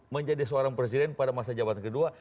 menjadi seorang presiden pada masa jabatan kedua